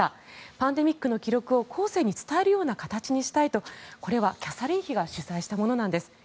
パンデミックの記録を後世に伝えるような形にしたいとこれはキャサリン妃が主催したものです。